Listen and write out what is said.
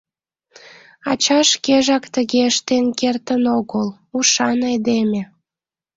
Ача шкежак тыге ыштен кертын огыл, ушан айдеме.